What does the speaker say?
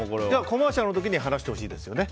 コマーシャルの時に話してほしいですよね。